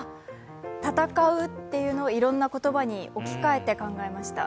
戦うという言葉をいろんな言葉に置き換えて考えました。